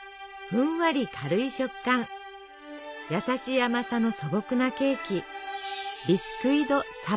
ふんわり軽い食感やさしい甘さの素朴なケーキ。